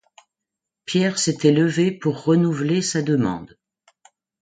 Pierre s'était levé, pour renouveler sa demande.